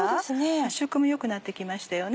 発色も良くなって来ましたよね。